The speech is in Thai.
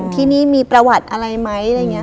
ที่นี่มีประวัติอะไรไหม